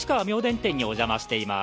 店にお邪魔しています。